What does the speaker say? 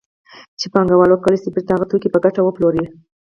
چې پانګوال وکولای شي بېرته هغه توکي په ګټه وپلوري